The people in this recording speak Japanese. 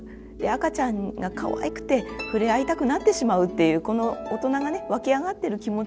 赤ちゃんがかわいくて触れ合いたくなってしまうっていうこの大人がね湧き上がってる気持ちに正直に動けばいいだけだと思います。